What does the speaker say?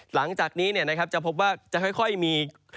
หลังจากนี้จะพบว่าจะค่อยมี